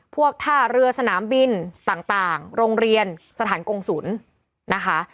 ท่าเรือสนามบินต่างโรงเรียนสถานกงศุลนะคะ